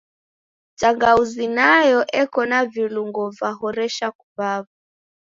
Tangauzi nayo eko na vilungo vehoresha kuw'aw'a.